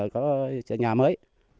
có nhà mới